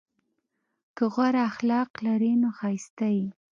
که غوره اخلاق لرې نو ښایسته یې!